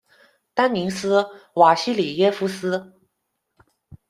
丹尼斯·瓦西里耶夫斯。